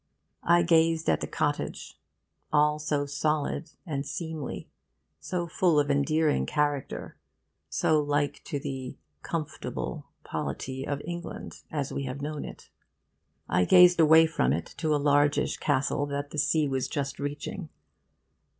I gazed at the cottage, all so solid and seemly, so full of endearing character, so like to the 'comf'table' polity of England as we have known it. I gazed away from it to a large ish castle that the sea was just reaching.